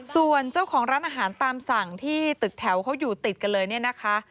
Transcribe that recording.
ส่วนเจ้าของร้านอาหารตามสั่งที่ตึกแถวเขาอยู่ติดกันเลยเนี่ยนะคะ